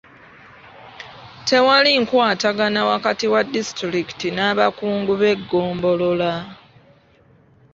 Tewali nkwatagana wakati wa disitulikiti n'abakungu b'eggombolola.